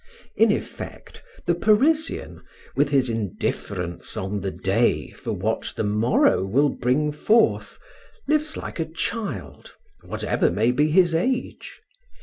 In effect, the Parisian, with his indifference on the day for what the morrow will bring forth, lives like a child, whatever may be his age.